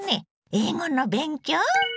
英語の勉強？